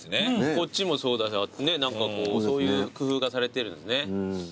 こっちもそうだし何かこうそういう工夫がされてるんすね。